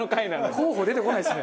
候補出てこないですね。